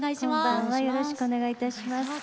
よろしくお願いします。